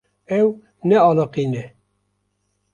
Ew nealiqîne.